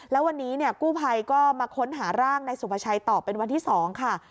แล้ววันนี้กู้ภัยก็มาค้นหาร่างนายสุภาชัยต่อเป็นวันที่๒ค่ะ